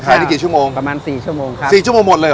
เหมือนสี่ชั่วโมงครับสี่ชั่วโมงหมดเลยหรือ